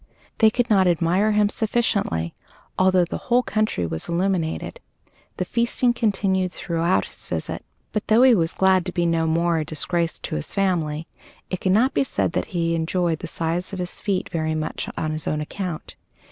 They could not admire him sufficiently, although the whole country was illuminated, and feasting continued throughout his visit. But though he was glad to be no more a disgrace to his family, it cannot be said that he enjoyed the size of his feet very much on his own account.